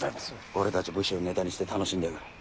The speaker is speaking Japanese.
俺たち武士をネタにして楽しんでやがる。